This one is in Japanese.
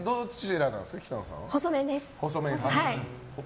細麺です！